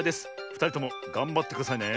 ふたりともがんばってくださいね。